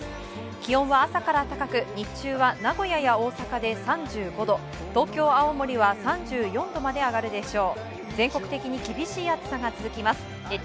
気温は朝から高く日中は、名古屋や大阪で３５度東京、青森は３４度まで上がるでしょう。